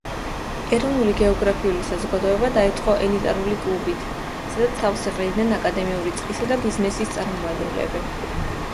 ეროვნული გეოგრაფიული საზოგადოება დაიწყო ელიტარული კლუბით, სადაც თავს იყრიდნენ აკადემიური წრისა და ბიზნესის წარმომადგენლები.